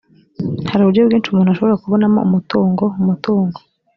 hari uburyo bwinshi umuntu ashobora kubonamo umutungo umutungo